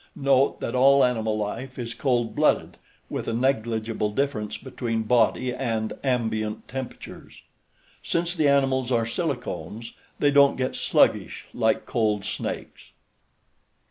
Note that all animal life is cold blooded, with a negligible difference between body and ambient temperatures. Since the animals are silicones, they don't get sluggish like cold snakes.